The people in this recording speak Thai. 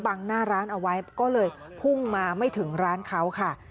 หน้าร้านเอาไว้ก็เลยพุ่งมาไม่ถึงร้านเขาค่ะ